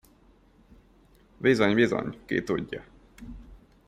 Bizony, bizony, ki tudja!